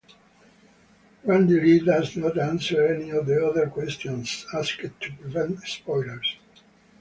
Randy Le does not answer any of the other questions asked to prevent spoilers.